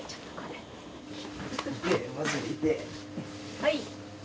はい。